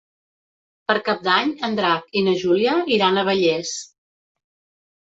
Per Cap d'Any en Drac i na Júlia iran a Vallés.